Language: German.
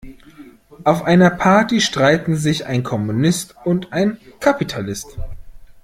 Auf einer Party streiten sich ein Kommunist und ein Kapitalist.